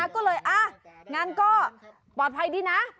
ก็เลยงั้นก็ปลอดภัยดีนะ